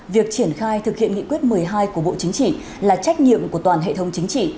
việc triển khai thực hiện nghị quyết một mươi hai của bộ chính trị là trách nhiệm của toàn hệ thống chính trị